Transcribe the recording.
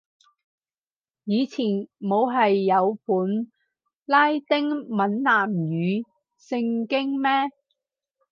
以前冇係有本拉丁閩南語聖經咩